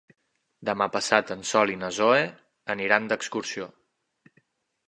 Demà passat en Sol i na Zoè aniran d'excursió.